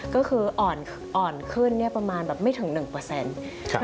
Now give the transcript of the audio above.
ก็คืออ่อนขึ้นประมาณไม่ถึง๑